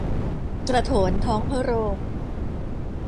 กระโถนท้องพระโรง